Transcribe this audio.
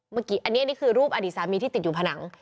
เมื่อกี้อันนี้นี่คือรูปอดีตสามีที่ติดอยู่ผนัง